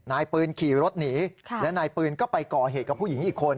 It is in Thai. นายปืนขี่รถหนีและนายปืนก็ไปก่อเหตุกับผู้หญิงอีกคน